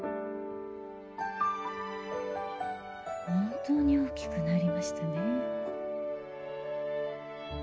本当に大きくなりましたね